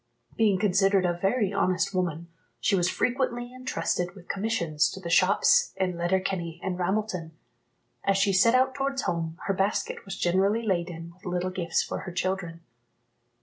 Being considered a very honest woman, she was frequently entrusted with commissions to the shops in Letterkenny and Ramelton. As she set out towards home, her basket was generally laden with little gifts for her children.